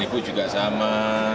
ibu juga sama